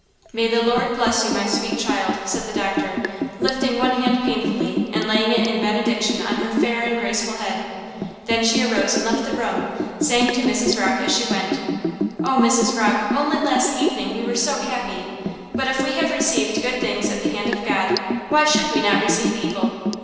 "May the Lord bless you, my sweet child," said the doctor, lifting one hand painfully and laying it in benediction on her fair and graceful head. Then she arose and left the room, saying to Mrs. Rocke as she went: "Oh, Mrs. Rocke, only last evening we were so happy–'But if we have received good things at the hand of God, why should we not receive evil?'"